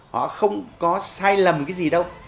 họ không có sai lầm cái gì đâu